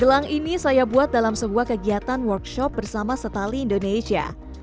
gelang ini saya buat dalam sebuah kegiatan workshop bersama setali indonesia